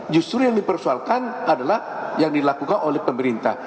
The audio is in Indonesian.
justru yang dipersoalkan adalah yang dilakukan oleh pemerintah